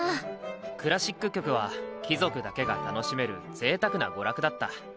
クラシック曲は貴族だけが楽しめるぜいたくな娯楽だった。